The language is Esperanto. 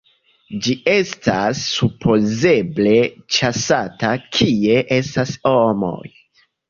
Ĝi estas supozeble ĉasata kie estas homoj.